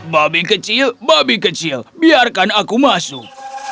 babi kecil babi kecil biarkan aku masuk